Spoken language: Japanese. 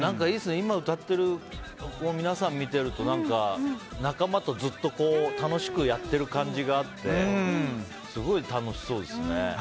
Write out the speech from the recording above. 今歌っている皆さんを見ると仲間とずっと楽しくやってる感じがあってすごい楽しそうですね。